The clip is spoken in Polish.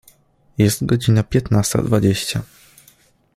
Jest godzina piętnasta dwadzieścia.